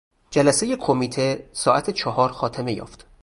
جلسهی کمیته ساعت چهار خاتمه یافت.